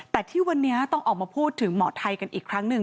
แต่ที่วันนี้ต้องออกมาพูดถึงหมอไทยกันอีกครั้งหนึ่ง